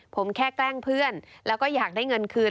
ผมแค่แกล้งเพื่อนแล้วก็อยากได้เงินคืน